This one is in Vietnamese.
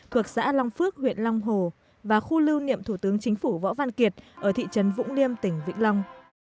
thuộc xã long phước huyện long hồ và khu lưu niệm thủ tướng chính phủ võ văn kiệt ở thị trấn vũng liêm tỉnh vĩnh long